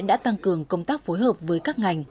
đã tăng cường công tác phối hợp với các ngành